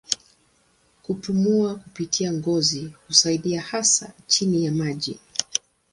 Kupumua kupitia ngozi husaidia hasa chini ya maji.